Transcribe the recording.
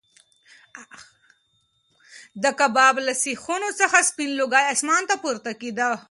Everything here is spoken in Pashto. د کباب له سیخانو څخه سپین لوګی اسمان ته پورته کېده.